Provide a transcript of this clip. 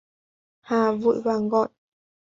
Hà vội vàng gọi